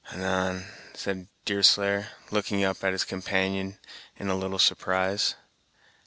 "Anan?" said Deerslayer, looking up at his companion in a little surprise.